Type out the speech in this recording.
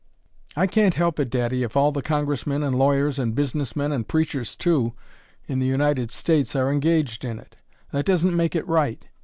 "I can't help it, daddy, if all the Congressmen and lawyers and business men, and preachers too, in the United States are engaged in it that doesn't make it right.